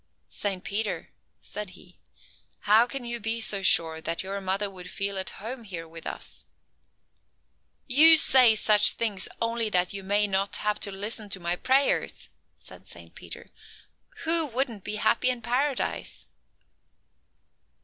"Saint Peter," said He, "how can you be so sure that your mother would feel at home here with us?" "You say such things only that you may not have to listen to my prayers," said Saint Peter. "Who wouldn't be happy in Paradise?"